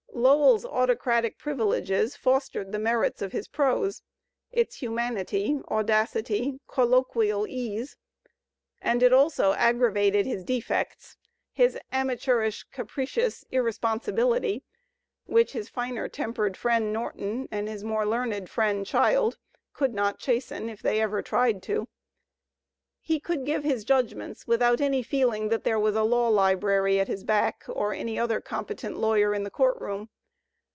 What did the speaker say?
Lowell's autocratic privileges fostered the merits of his prose, its humanity, audacity, colloquial ease; and it also aggravated • his defects, his amateurish, capricious irresponsibility, which his finer tempered friend, Norton, and his more learned friend. Child, could not chasten, if they ever tried to. He could give his judgments without any feeling that there was a law library at his back or any other competent lawyer in the court room.